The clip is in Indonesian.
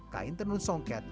kain tenun songket